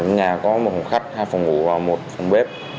nhà có một phòng khách hai phòng ngủ và một phòng bếp